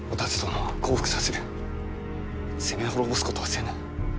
攻め滅ぼすことはせぬ。